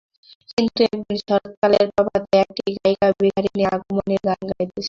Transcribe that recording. কিন্তু একদিন শরৎকালের প্রভাতে একটি গায়িকা ভিখারিনী আগমনীর গান গাহিতেছিল।